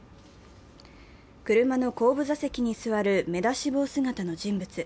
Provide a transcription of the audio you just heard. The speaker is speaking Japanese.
車の後部座席に座る目出し帽姿の人物。